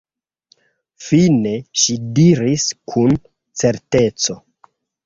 Fine ŝi diris kun certeco: